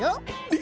え？